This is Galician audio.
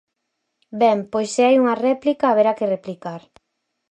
Ben, pois se hai unha réplica, haberá que replicar.